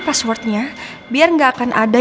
passwordnya biar nggak akan ada